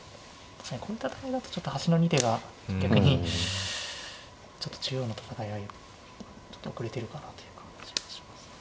確かにこういう戦いだとちょっと端の２手が逆にちょっと中央の戦いちょっと遅れてるかなという感じがしますね。